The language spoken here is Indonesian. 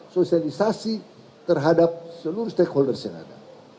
sosialisasi terhadap seluruh stakeholders yang ada